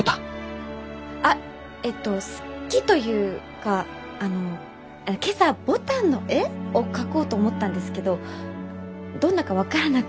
あっえっと好きというかあの今朝牡丹の絵？を描こうと思ったんですけどどんなか分からなくて。